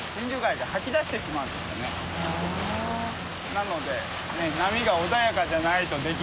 なので。